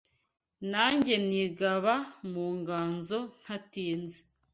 Nanjye nigaba mu nganzo ntatinze